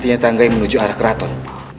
tidak ada tangga yang menuju ke arah keraton